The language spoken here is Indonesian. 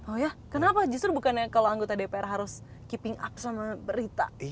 oh ya kenapa justru bukannya kalau anggota dpr harus keeping up sama berita